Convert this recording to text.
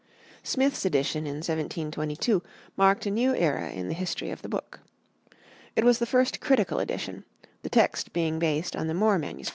Smith's edition in 1722 marked a new era in the history of the book. It was the first critical edition, the text being based on the Moore MS.